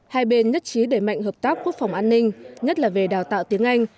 hai bên nhất trí đẩy mạnh hợp tác quốc phòng an ninh nhất là về đào tạo tiếng anh